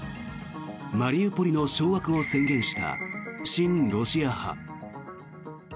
マリウポリの掌握を宣言した親ロシア派。